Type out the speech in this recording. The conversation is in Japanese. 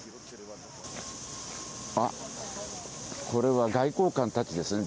あ、これは外交官たちですね。